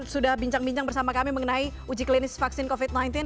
sudah bincang bincang bersama kami mengenai uji klinis vaksin covid sembilan belas